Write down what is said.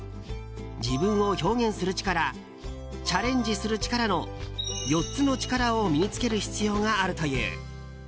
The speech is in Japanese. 自分を表現する力チャレンジする力の４つの力を身に着ける必要があるという。